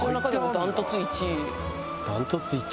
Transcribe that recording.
「断トツ１位？」